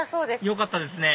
よかったですね